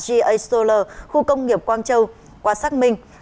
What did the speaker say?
g a solar khu công nghiệp quang châu qua sắc minh